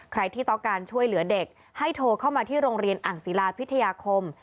ใครที่ต้องการช่วยเหลือเด็กให้โทรเข้ามาที่โรงเรียนอ่างศิลาพิทยาคม